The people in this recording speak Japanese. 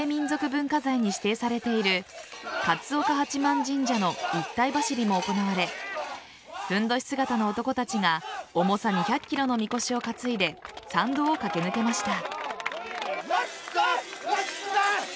文化財に指定されている勝岡八幡神社の一体走りも行われふんどし姿の男たちが重さ２００ｋｇのみこしを担いで参道を駆け抜けました。